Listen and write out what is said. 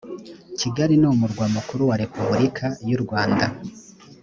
kigali ni umurwa mukuru wa repulika y’u rwanda